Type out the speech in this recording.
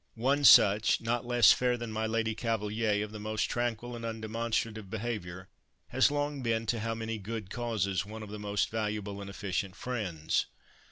One such, not less fair than my Lady Cavaliere, of the most tranquil and undemonstrative behavior, has long been to how many good causes one of the most valuable and efficient friends.